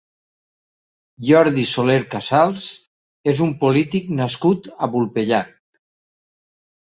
Jordi Soler Casals és un polític nascut a Vulpellac.